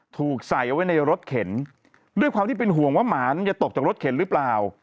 ถูกใส่เอาไว้ในรถเข็นด้วยความที่เป็นห่วงว่าหมานจะตกจากรถเข็นหรือเปล่า